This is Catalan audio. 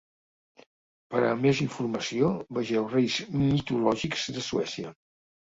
Per a més informació, vegeu Reis mitològics de Suècia.